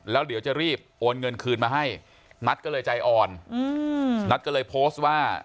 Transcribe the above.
แล้วเดี๋ยวจะรีบโอนเงินคืนมาให้นัทก็เลยใจอ่อนนัทก็เลยโพสต์ว่า